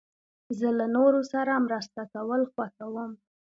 زه له نورو سره مرسته کول خوښوم.